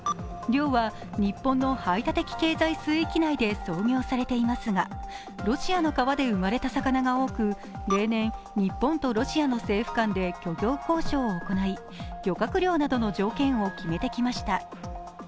漁は日本の排他的経済水域内で操業されていますがロシアの川で生まれた魚が多く例年、日本とロシアの政府間で漁業交渉を行い、漁獲量などの条件を決めてきました。